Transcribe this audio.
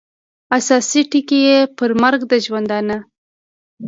اساسي ټکي یې پر مرګ د ژوندانه